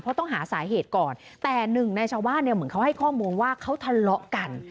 เพราะต้องหาสาเหตุก่อนแต่หนึ่งในชาวบ้านเนี่ยเหมือนเขาให้ข้อมูลว่าเขาทะเลาะกัน